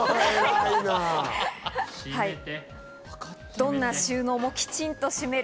どんな収納もきちんと閉める